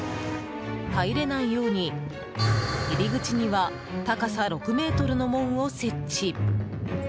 入れないように、入り口には高さ６ｍの門を設置。